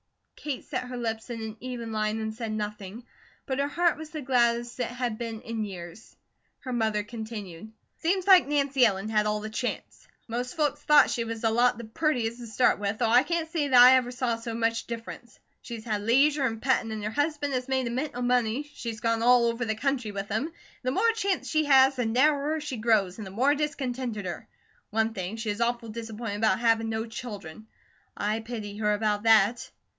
Kate set her lips in an even line and said nothing, but her heart was the gladdest it had been in years. Her mother continued: "Seems like Nancy Ellen had all the chance. Most folks thought she was a lot the purtiest to start with, though I can't say that I ever saw so much difference. She's had leisure an' pettin', and her husband has made a mint o' money; she's gone all over the country with him, and the more chance she has, the narrower she grows, and the more discontenteder. One thing, she is awful disappointed about havin' no children. I pity her about that."